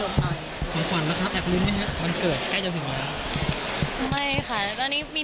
เพรากือ